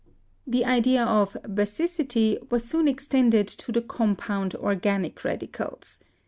The idea of "basicity" was soon extended to the com pound organic radicals.